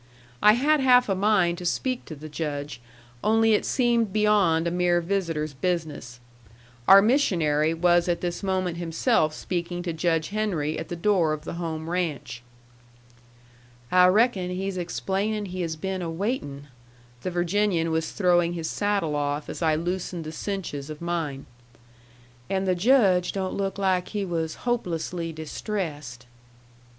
I had half a mind to speak to the Judge, only it seemed beyond a mere visitor's business. Our missionary was at this moment himself speaking to Judge Henry at the door of the home ranch. "I reckon he's explaining he has been a waiting." The Virginian was throwing his saddle off as I loosened the cinches of mine. "And the Judge don't look like he was hopelessly distressed."